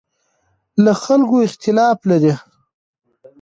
له خلکو اختلاف لري.